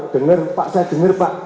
dengar pak saya dengar pak